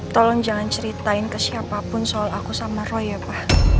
tolong jangan ceritain ke siapapun soal aku sama roy ya pa